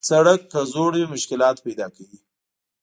سړک که زوړ وي، مشکلات پیدا کوي.